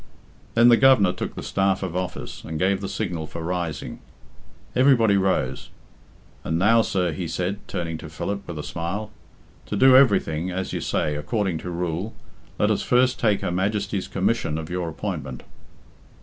Then the Governor took the staff of office, and gave the signal for rising. Everybody rose. "And now, sir," he said, turning to Philip with a smile, "to do everything, as you say, according to rule, let us first take Her Majesty's commission of your appointment."